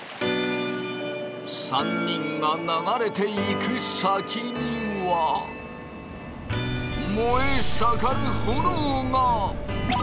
３人が流れていく先には燃え盛る炎が！